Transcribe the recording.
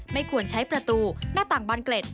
ไม่ควรใช้ประตูหน้าต่างบานเกล็ด